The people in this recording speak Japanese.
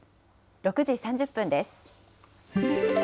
６時３０分です。